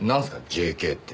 ＪＫって。